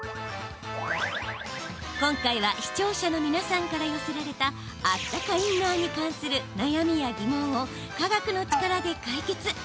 今回は視聴者の皆さんから寄せられたあったかインナーに関する悩みや疑問を科学の力で解決。